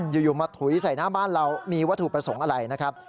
อยู่มาถุยใส่หน้าบ้านเรามีวัตถุประสงค์อะไรนะครับ